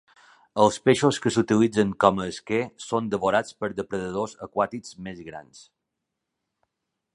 Els peixos que s'utilitzen com a esquer són devorats per depredadors aquàtics més grans.